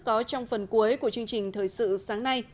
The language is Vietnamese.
có trong phần cuối của chương trình thời sự sáng nay